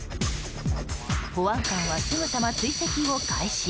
保安官は、すぐさま追跡を開始。